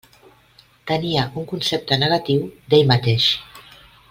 Tenia un concepte negatiu d'ell mateix.